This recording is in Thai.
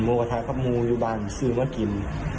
โมกะทาคับมูย์อยู่บ้านซื้อมากิน